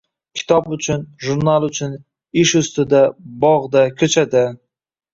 Kitob uchun, jurnal uchun, ish ustida, bog`da, ko`chada